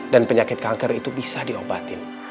dan penyakit kanker itu bisa diobatin